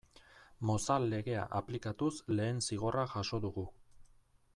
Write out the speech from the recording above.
Mozal Legea aplikatuz lehen zigorra jaso dugu.